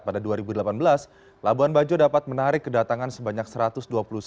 pada dua ribu delapan belas labuan bajo dapat menarik kedatangan sebanyak satu ratus dua puluh satu